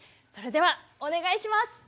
それでは、お願いします。